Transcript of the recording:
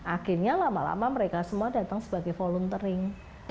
akhirnya lama lama mereka semua datang sebagai volume tering